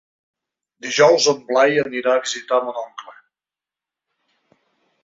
Dijous en Blai anirà a visitar mon oncle.